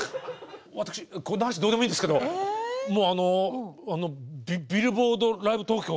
私こんな話どうでもいいんですけどビルボードライブ東京